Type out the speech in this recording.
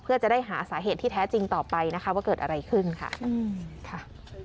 เพื่อจะได้หาสาเหตุที่แท้จริงต่อไปนะคะว่าเกิดอะไรขึ้นค่ะ